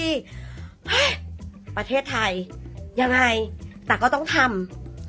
เฮ้ยประเทศไทยยังไงแต่ก็ต้องทำ